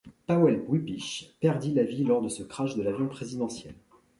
Paweł Wypych perdit la vie lors de ce crash de l'avion présidentiel.